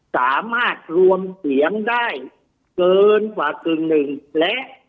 สามารถรวมเสียงได้เกินกว่ากึ่งหนึ่งและ